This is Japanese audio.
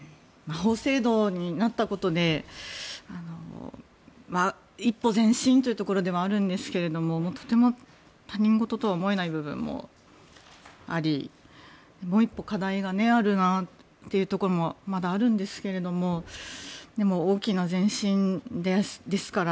法制度になったことで一歩前進というところではあるんですがとても他人事とは思えない部分もありもう一歩、課題があるなというところもまだあるんですがでも大きな前進ですから